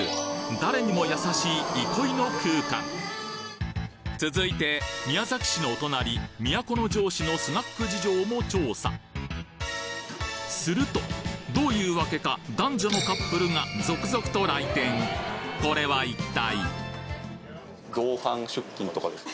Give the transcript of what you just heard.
誰にも優しい憩いの空間続いて宮崎市のお隣するとどういうわけか男女のカップルが続々と来店これは一体！？